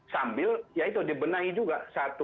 sambil ya itu dibenahi juga